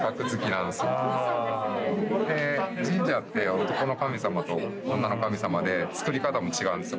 神社って男の神様と女の神様で造り方も違うんですよ